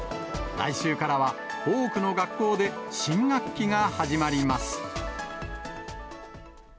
来週からは多くの学校で新学期が始まります。